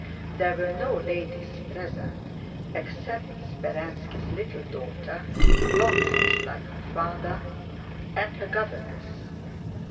There were no ladies present except Speránski's little daughter (long faced like her father) and her governess.